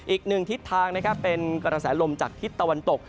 อีกหนึ่งทิศทางนะครับเป็นกระแสลมจากทิศตะวันตก